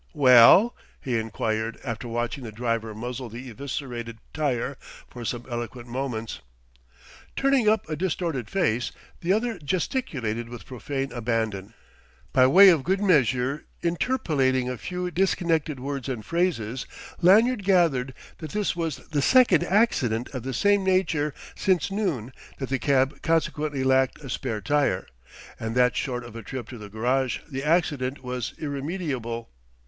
"Well?" he enquired after watching the driver muzzle the eviscerated tyre for some eloquent moments. Turning up a distorted face, the other gesticulated with profane abandon, by way of good measure interpolating a few disconnected words and phrases. Lanyard gathered that this was the second accident of the same nature since noon that the cab consequently lacked a spare tyre, and that short of a trip to the garage the accident was irremediable.